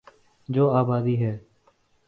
جو آبادی ہے۔